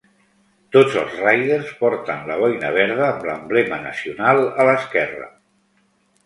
Tots els Raiders porten la boina verda amb l'emblema nacional a l'esquerra.